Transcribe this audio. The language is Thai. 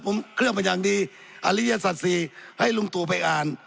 ผมเคลื่อนไปอย่างดีอริยศัตว์สี่ให้ลุงตู่ไปอ่าน